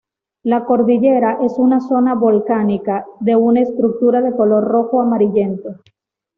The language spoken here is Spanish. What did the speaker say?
La Cordillera es una zona volcánica, de una estructura de color rojo amarillento.